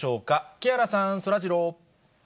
木原さん、そらジロー。